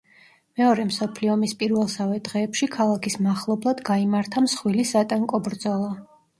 მეორე მსოფლიო ომის პირველსავე დღეებში ქალაქის მახლობლად გაიმართა მსხვილი სატანკო ბრძოლა.